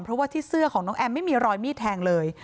เพราะว่าที่เสื้อของน้องแอมไม่มีรอยมีดแทงเลย